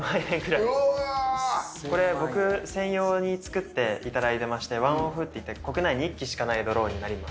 これ僕専用に作っていただいてましてワンオフっていって国内に１機しかないドローンになります。